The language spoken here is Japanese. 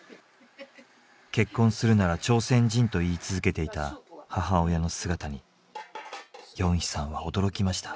結婚するなら朝鮮人と言い続けていた母親の姿にヨンヒさんは驚きました。